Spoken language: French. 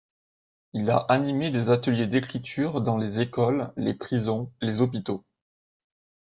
Il a animé des ateliers d'écriture dans les écoles, les prisons, les hôpitaux.